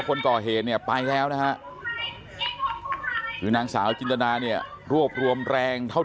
คนก่อเหตุเนี่ยไปแล้วนะฮะคือนางสาวจินตนาเนี่ยรวบรวมแรงเท่า